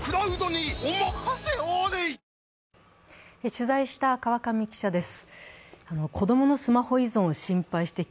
取材した川上記者です。